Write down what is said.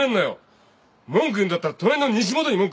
文句言うんだったら隣の西本に文句言え。